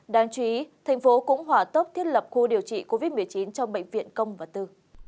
đáng chú ý thành phố cũng hỏa tốc thiết lập khu điều trị covid một mươi chín trong bệnh viện công và tư